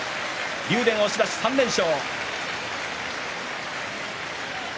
竜電押し出し、３連勝。